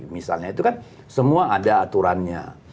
misalnya itu kan semua ada aturannya